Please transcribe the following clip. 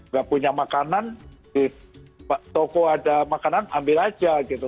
nggak punya makanan di toko ada makanan ambil aja gitu